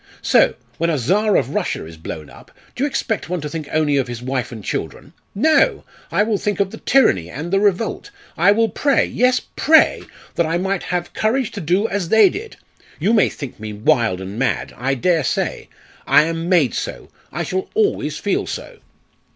So, when a Czar of Russia is blown up, do you expect one to think only of his wife and children? No! I will think of the tyranny and the revolt; I will pray, yes, pray that I might have courage to do as they did! You may think me wild and mad. I dare say. I am made so. I shall always feel so!"